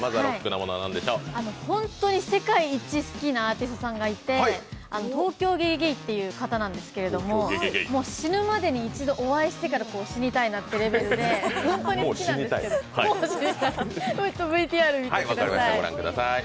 ホントに世界一好きなアーティストさんがいて、東京ゲゲゲイという方なんですけど、死ぬまでに一度お会いしてから死にたいというレベルで、ＶＴＲ御覧ください。